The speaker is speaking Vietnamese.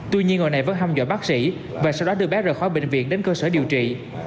tuy nhiên người này vẫn hâm dội bác sĩ và sau đó đưa bé rời khỏi bệnh viện đến cơ sở điều trị